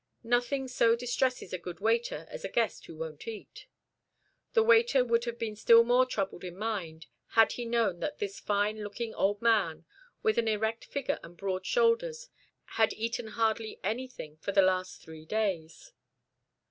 Nothing so distresses a good waiter as a guest who won't eat. The waiter would have been still more troubled in mind had he known that this fine looking old man, with the erect figure and broad shoulders, had eaten hardly anything for the last three days.